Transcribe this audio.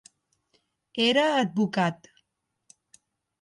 Era advocat.